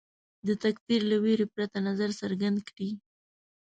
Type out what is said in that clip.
د تکفیر له وېرې پرته نظر څرګند کړي